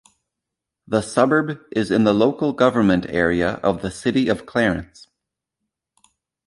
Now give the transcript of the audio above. The suburb is in the local government area of the City of Clarence.